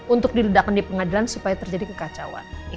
untuk diledakkan di pengadilan supaya terjadi kekacauan